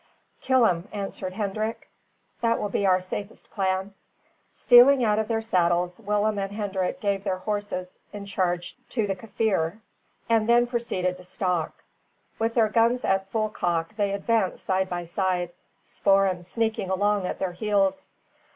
"Kill him," answered Hendrik; "that will be our safest plan." Stealing out of their saddles, Willem and Hendrik gave their horses in charge to the Kaffir, and then proceeded to stalk. With their guns at full cock they advanced side by side, Spoor'em sneaking along at their heels.